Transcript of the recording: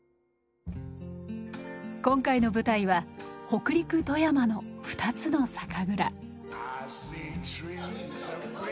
今回の舞台は北陸・富山の２つの酒蔵。